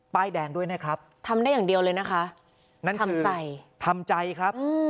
ป้ายแดงด้วยนะครับทำได้อย่างเดียวเลยนะคะทำใจครับ